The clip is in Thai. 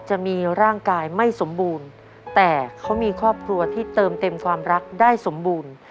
จะมีร่างกายไม่สมบูรณ์แต่เขามีครอบครัวที่เติมเต็มความรักได้สมบูรณ์